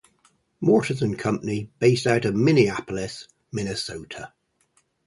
Mortenson Company, based out of Minneapolis, Minnesota.